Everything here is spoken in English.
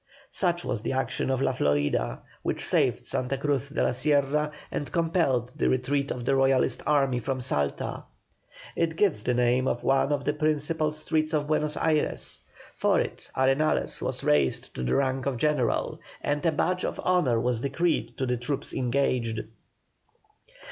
Such was the action of La Florida, which saved Santa Cruz de la Sierra and compelled the retreat of the Royalist army from Salta. It gives the name to one of the principal streets of Buenos Ayres. For it Arenales was raised to the rank of general, and a badge of honour was decreed to the troops engaged.